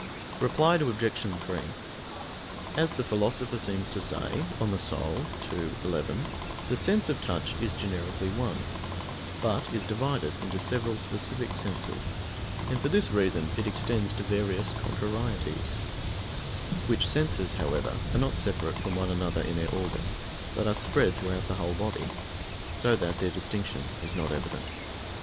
Reply Obj. 3: As the Philosopher seems to say (De Anima ii, 11), the sense of touch is generically one, but is divided into several specific senses, and for this reason it extends to various contrarieties; which senses, however, are not separate from one another in their organ, but are spread throughout the whole body, so that their distinction is not evident.